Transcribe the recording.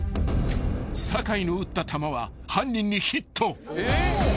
［坂井の撃った弾は犯人にヒット］